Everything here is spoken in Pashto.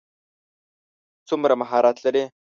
څومره مهارت لري.